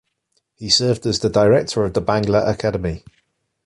He served as the director of the Bangla Academy.